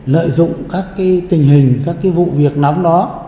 lợi dụng các tình hình các vụ việc nóng đó